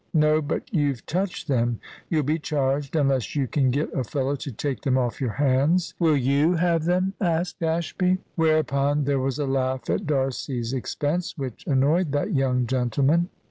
"No, but you've touched them. You'll be charged, unless you can get a fellow to take them off your hands." "Will you have them?" asked Ashby. Whereupon there was a laugh at D'Arcy's expense, which annoyed that young gentleman.